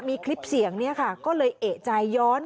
มีคลิปเสียงเนี่ยค่ะก็เลยเอกใจย้อน